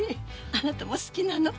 あなたも好きなの？